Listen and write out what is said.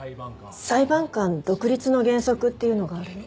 裁判官独立の原則っていうのがあるの。